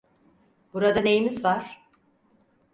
Burada neyimiz var?